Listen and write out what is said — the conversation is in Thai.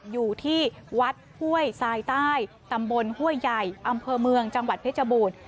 อยู่ที่วัดห้วยทรายใต้ตำบลห้วยใหญ่อำเภอเมืองจังหวัดเพชรบูรณ์